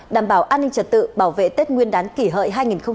đảm bảo an ninh trật tự bảo vệ tết nguyên đán kỷ hợi hai nghìn một mươi chín